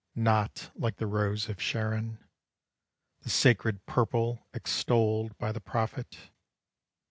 Not like the Rose of Sharon, The sacred purple extolled by the prophet.